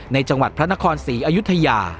จังหวัดพระนครศรีอยุธยา